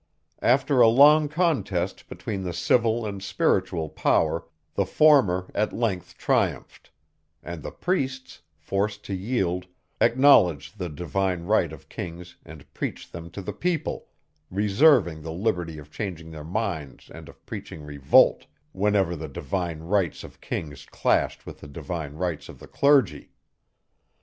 After a long contest between the civil and spiritual power, the former at length triumphed; and the priests, forced to yield, acknowledged the divine right of kings and preached them to the people, reserving the liberty of changing their minds and of preaching revolt, whenever the divine rights of kings clashed with the divine rights of the clergy.